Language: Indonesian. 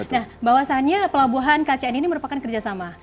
nah bahwasannya pelabuhan kcn ini merupakan kerjasama